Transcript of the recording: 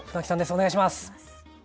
お願いします。